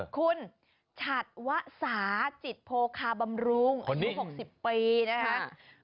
คุณฉัดวสาจิตโพคาบำรุงอายุ๖๐ปีนะคะ